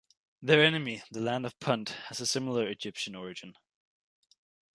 Their enemy, the Land of Punt, has a similar Egyptian origin.